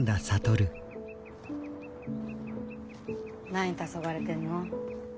何たそがれてんの？